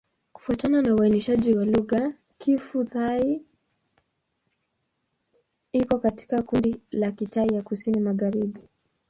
Kufuatana na uainishaji wa lugha, Kiphu-Thai iko katika kundi la Kitai ya Kusini-Magharibi.